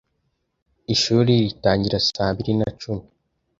Ishuri ritangira saa mbiri na cumi